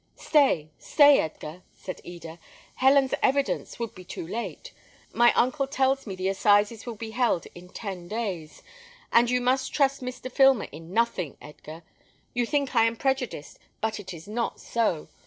"Stay, stay, Edgar!" said Eda. "Helen's evidence would be too late. My uncle tells me the assizes will be held in ten days, and you must trust Mr. Filmer in nothing, Edgar. You think I am prejudiced, but it is not so.